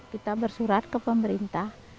kita bersurat ke pemerintah